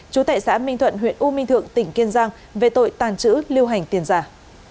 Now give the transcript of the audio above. chú tệ xã minh thuận huyện u minh thượng tỉnh kiên giang về tội tàng trữ lưu hành tiền giả